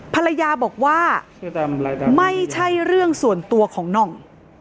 ภรรยาบอกว่าไม่ใช่เรื่องส่วนตัวของหน่อง